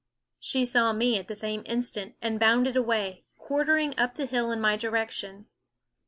She saw me at the same instant and bounded away, quartering up the hill in my direction.